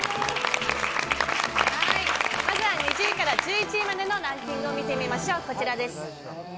はいまずは２０位から１１位までのランキングを見てみましょうこちらです。